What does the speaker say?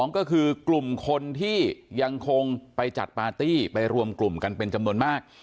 ก็คือกลุ่มคนที่ยังคงไปจัดปาร์ตี้ไปรวมกลุ่มกันเป็นจำนวนมาก